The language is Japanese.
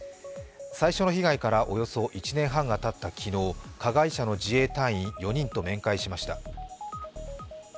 最初の被害からおよそ１年半がたった昨日、加害者の自衛隊員４人と面会しました。